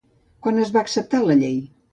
Quan es va acceptar la llei?